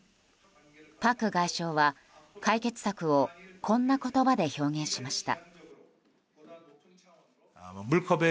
パク外相は解決策をこんな言葉で表現しました。